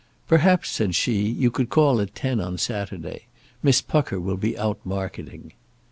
"Perhaps," said she, "you could call at ten on Saturday. Miss Pucker will be out marketing."